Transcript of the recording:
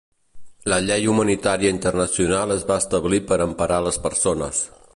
La llei humanitària internacional es va establir per emparar les persones.